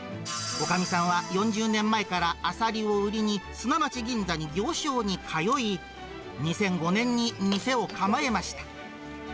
おかみさんは４０年前からあさりを売りに、砂町銀座に行商に通い、２００５年に店を構えました。